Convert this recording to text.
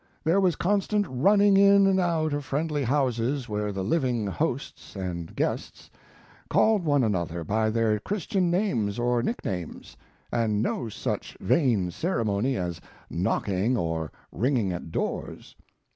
There was constant running in and out of friendly houses where the lively hosts and guests called one another by their Christian names or nicknames, and no such vain ceremony as knocking or ringing at doors.